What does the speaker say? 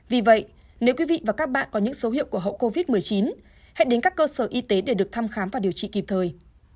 vì vậy nếu quý vị và các bạn có những số hiệu của hậu covid một mươi chín hãy đến các cơ sở y tế để được thăm khám và điều trị kịp thời